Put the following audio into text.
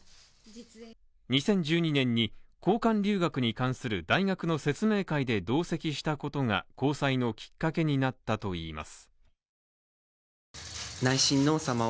２０１２年に交換留学に関する大学の説明会で同席したことが、交際のきっかけになったといいます。